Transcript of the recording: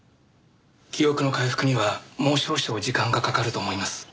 記憶の回復にはもう少々時間がかかると思います。